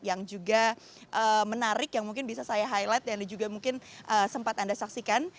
yang juga menarik yang mungkin bisa saya highlight dan juga mungkin sempat anda saksikan